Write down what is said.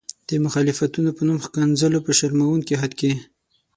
د مخالفتونو په نوم ښکنځلو په شرموونکي حد کې.